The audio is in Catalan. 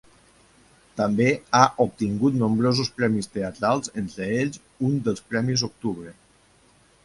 També ha obtingut nombrosos premis teatrals, entre ells un dels Premis Octubre.